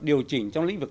điều chỉnh trong lĩnh vực